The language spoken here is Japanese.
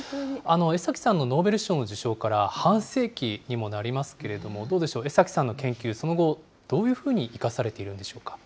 江崎さんのノーベル賞の受賞から半世紀にもなりますけれども、どうでしょう、江崎さんの研究、どういう風に生かされているんでし